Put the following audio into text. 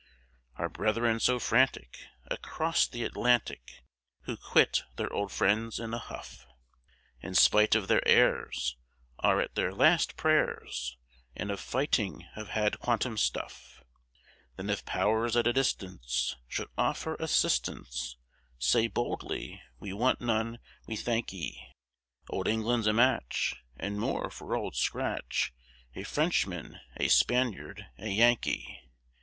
Our brethren so frantic Across the Atlantic, Who quit their old friends in a huff, In spite of their airs, Are at their last prayers, And of fighting have had quantum suff. Then if powers at a distance Should offer assistance, Say boldly, "we want none, we thank ye," Old England's a match And more for old scratch, A Frenchman, a Spaniard, a Yankee!